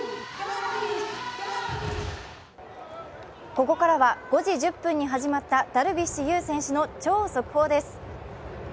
ここからは５時１０分に始まったダルビッシュ有選手の超速報です。